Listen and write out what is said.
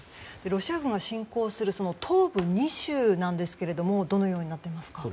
ロシア軍が侵攻する東部２州はどのようになっていますか？